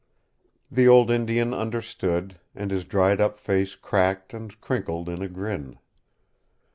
The old Indian understood, and his dried up face cracked and crinkled in a grin.